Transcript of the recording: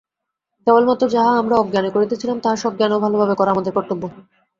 কেবলমাত্র যাহা আমরা অজ্ঞানে করিতেছিলাম, তাহা সজ্ঞানে ও ভালভাবে করা আমাদের কর্তব্য।